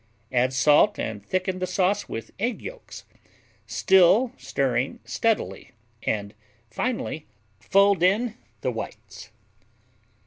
Add salt and thicken the sauce with egg yolks, still stirring steadily, and finally fold in the whites.